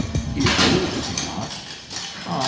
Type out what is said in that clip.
" He is old, is he not 1 "" Ay